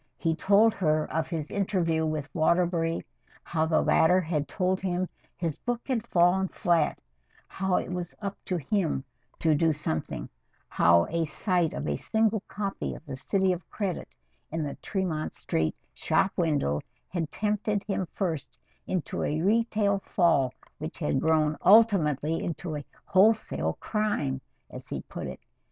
He told her of his interview with Waterbury how the latter had told him his book had fallen flat; how it was "up to him" to do something; how a sight of a single copy of "The City of Credit" in the Tremont Street shop window had tempted him first into a retail fall which had grown ultimately into a wholesale "crime" as he put it.